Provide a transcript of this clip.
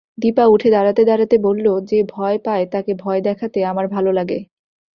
দিপা উঠে দাঁড়াতে-দাঁড়াতে বলল, যে ভয় পায় তাকে ভয় দেখাতে আমার ভালো লাগে।